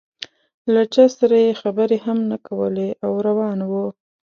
له چا سره یې خبرې هم نه کولې او روان و.